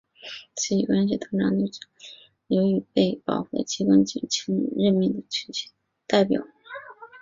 此一关系通常是由教宗任命或是由于被保护的机关请求被任命的枢机的代表。